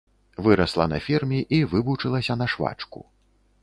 Вырасла на ферме, і вывучылася на швачку.